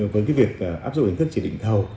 với việc áp dụng hình thức chỉ định thầu